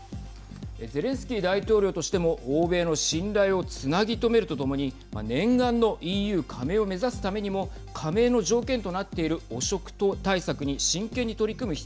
ゼレンスキー大統領としても欧米の信頼をつなぎ止めるとともに念願のＥＵ加盟を目指すためにも加盟の条件となっている汚職対策にはい。